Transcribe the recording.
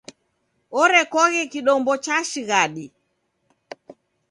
Orekoghe kidombo cha shighadi.